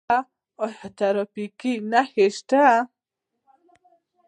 آیا ټرافیکي نښې شته؟